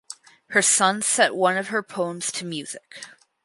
Her son set one of her poems to music.